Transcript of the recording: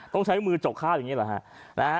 ต้องใช้มือจกฆ่าอย่างนี้หรอครับ